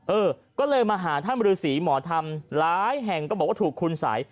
เออก็เลยมาหาท่านบริษีหมอธรรมหลายแห่งก็บอกว่าถูกคุณสัย